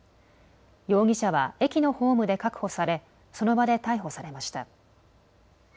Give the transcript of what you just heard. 容疑者は駅のホームで確保されその場で逮捕されました。